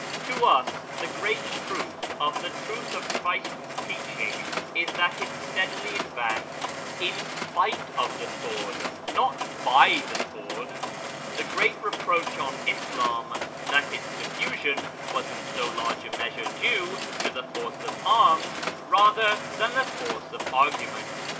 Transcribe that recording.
'0 us the great proof of the truth of Christ's teaching is that 'j steadily advanced in spite of the sword, not by the sword : he great reproach on Islam, that its diffusion was in so large measure due to the force of arms rather than the force of rgument.